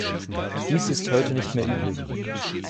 Dies ist heute nicht mehr üblich.